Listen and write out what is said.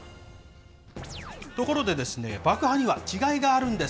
ところで、爆破には違いがあるんです。